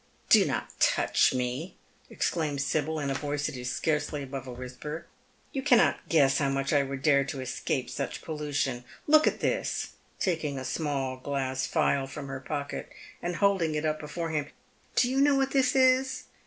" Do not touch me," exclaims Sibyl, in a voice that is scarcely above a whisper. " You cannot guess how much I would dare to escape such pollution. Look at this," taking a small glass phial from her pocket, and holding it up before him. " Do you know what tiiis is?